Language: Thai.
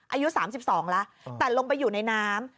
อายุ๓๒แล้วแต่ลงไปอยู่ในน้ำ